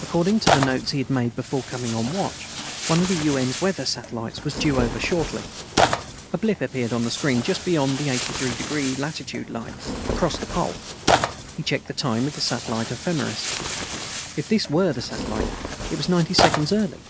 According to the notes he had made before coming on watch, one of the UN's weather satellites was due over shortly. A blip appeared on the screen just beyond the 83° latitude line, across the Pole. He checked the time with the satellite ephemeris. If this were the satellite, it was ninety seconds early.